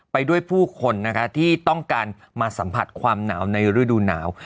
ไปด้วยผู้คนนะคะที่ต้องการมาสัมผัสความหนาวในฤดูหนาว